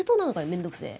面倒くせえ。